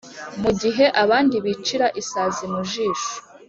mu gihe abandi bicira isazi mu jisho.